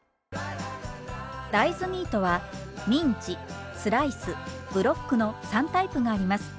大豆ミートはミンチスライスブロックの３タイプがあります。